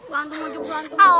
berantem aja berantem